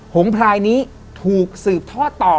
งพลายนี้ถูกสืบทอดต่อ